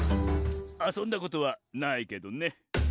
「あそんだことはないけどね」